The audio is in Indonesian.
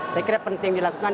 saya kira penting dilakukan